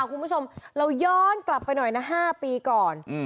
คุณผู้ชมเราย้อนกลับไปหน่อยนะ๕ปีก่อน